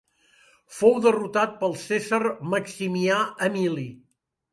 Fou derrotat pel cèsar Maximià Emili.